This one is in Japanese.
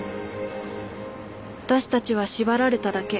私たちは縛られただけ。